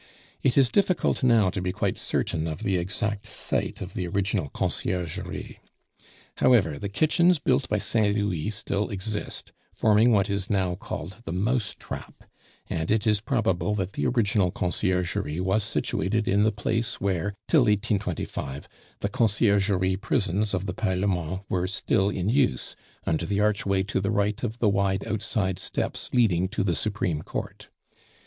It is difficult now to be quite certain of the exact site of the original Conciergerie. However, the kitchens built by Saint Louis still exist, forming what is now called the mousetrap; and it is probable that the original Conciergerie was situated in the place where, till 1825, the Conciergerie prisons of the Parlement were still in use, under the archway to the right of the wide outside steps leading to the supreme Court.